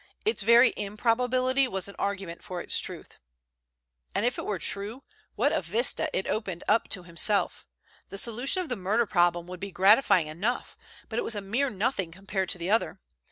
It's very improbability was an argument for its truth. And if it were true, what a vista it opened up to himself! The solution of the murder problem would be gratifying enough but it was a mere nothing compared to the other.